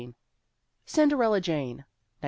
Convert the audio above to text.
Cinderella Jane, 1917.